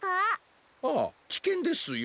あっきけんですよ。